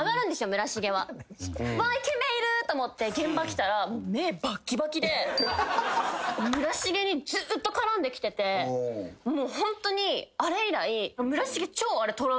村重は。わイケメンいると思って現場来たら目バッキバキで村重にずっと絡んできててもうホントにあれ以来村重。